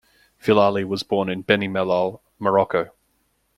Filali was born in Beni Mellal, Morocco.